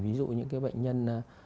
ví dụ những cái bệnh nhân